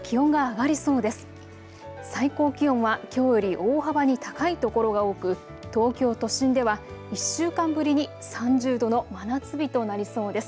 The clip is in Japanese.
最高気温はきょうより大幅に高い所が多く東京都心では１週間ぶりに３０度の真夏日となりそうです。